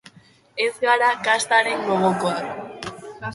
Ez gara kastaren gogokoak.